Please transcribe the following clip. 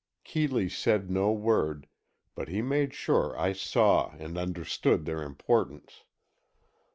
Keeley said no word, but he made sure I saw and understood their importance.